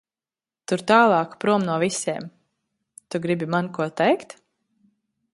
Tur tālāk prom no visiem. Tu gribi man ko teikt?